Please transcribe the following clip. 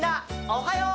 おはよう！